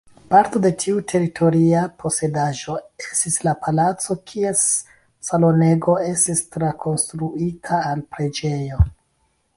Parto de tiu teritoria posedaĵo estis la palaco kies salonego estis trakonstruita al preĝejo.